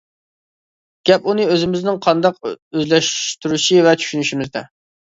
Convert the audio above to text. گەپ ئۇنى ئۆزىمىزنىڭ قانداق ئۆزلەشتۈرۈشى ۋە چۈشىنىشىمىزدە.